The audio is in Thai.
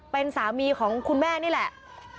เป็นสามีของคุณแม่นี่แหละ